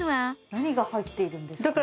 何が入っているんですか？